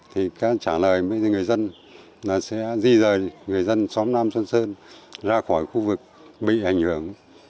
thì trả lời với người dân là sẽ di rời người dân xóm nam xuân sơn ra khỏi khu vực bị ảnh hưởng